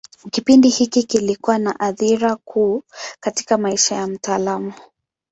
Kipindi hiki kilikuwa na athira kuu katika maisha ya mtaalamu.